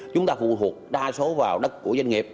chúng ta phụ thuộc đa số vào đất của doanh nghiệp